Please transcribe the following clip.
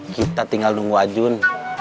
kita tinggal nunggu ajun